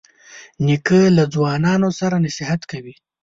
نیکه له ځوانانو سره نصیحت کوي.